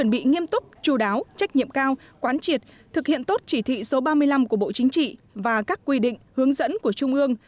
bị nghiêm túc chú đáo trách nhiệm cao quán triệt thực hiện tốt chỉ thị số ba mươi năm của bộ chính trị và các quy định hướng dẫn của trung ương